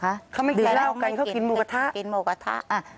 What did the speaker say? เขาไม่กินเล่ากันเขากินโมกระทะ